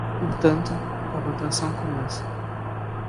Portanto, a votação começa.